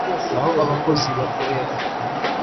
aho abakozi bakorera